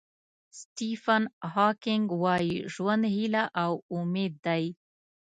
سټیفن هاکینګ وایي ژوند هیله او امید دی.